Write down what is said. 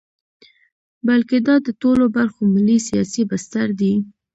بلکې دا د ټولو برخو ملي سیاسي بستر دی.